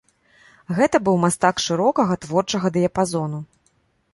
Гэта быў мастак шырокага творчага дыяпазону.